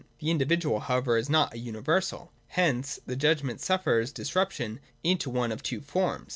] The in dividual however is not a universal. Hence (3) the judgment suffers disruption into one of two forms.